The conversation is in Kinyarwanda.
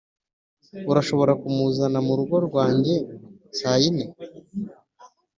urashobora kumuzana mu rugo rwanjye saa yine